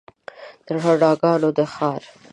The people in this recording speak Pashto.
د رڼاګانو د ښار